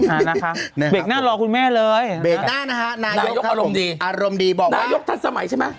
อ่ะนะคะเบ็กหน้ารอคุณแม่เลยอารมณ์ดีบอกว่านายกทันสมัยใช่ไหม